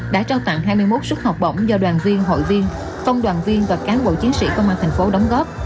đã trao tặng hai mươi một suất học bổng do đoàn viên hội viên công đoàn viên và cán bộ chiến sĩ công an thành phố đóng góp